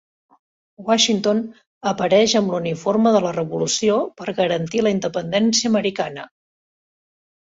Washington apareix amb l'uniforme de la revolució per garantir la independència americana.